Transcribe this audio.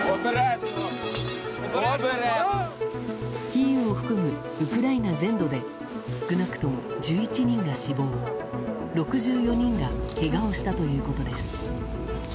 キーウを含むウクライナ全土で少なくとも１１人が死亡６４人がけがをしたということです。